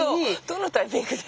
どのタイミングで？